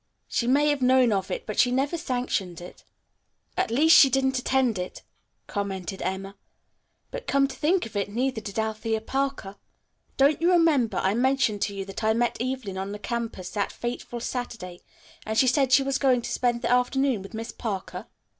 "She may have known of it, but she never sanctioned it." "At least she didn't attend it," commented Emma, "but, come to think of it, neither did Althea Parker. Don't you remember, I mentioned to you that I met Evelyn on the campus that fateful Saturday and she said she was going to spend the afternoon with Miss Parker?"